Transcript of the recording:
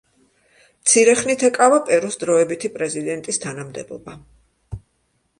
მცირე ხნით ეკავა პერუს დროებითი პრეზიდენტის თანამდებობა.